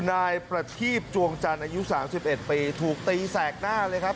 นายประทีบจวงจันทร์อายุ๓๑ปีถูกตีแสกหน้าเลยครับ